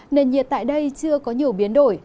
nền nhiệt tại đây chưa có nhiều biến đổi